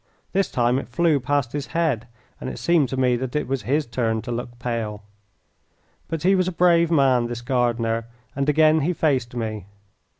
This time it flew past his head, and it seemed to me that it was his turn to look pale. But he was a brave man, this gardener, and again he faced me.